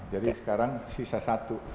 jadi sekarang sisa satu